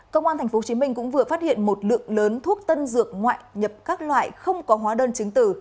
công an tp hcm cũng vừa phát hiện một lượng lớn thuốc tân dược ngoại nhập các loại không có hóa đơn chứng tử